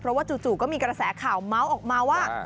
เพราะว่าจู่ก็มีกระแสข่าวเมาส์ออกมาว่า